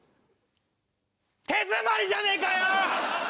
手詰まりじゃねえかよ！